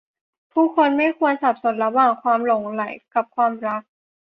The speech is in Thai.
ผู้คนไม่ควรสับสนระหว่างความหลงใหลกับความรัก